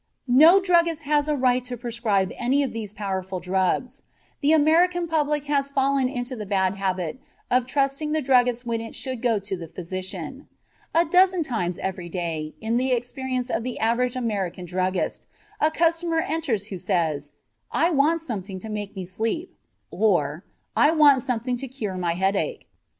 No druggist has a right to prescribe any of these powerful drugs. The American public has fallen into the bad habit of trusting the druggist when it should go to the physician. A dozen times every day in the experience of the average American druggist a customer enters who says, "I want something to make me sleep," or, "I want something to cure my headache."